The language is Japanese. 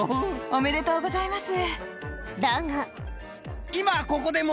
おめでとうございます。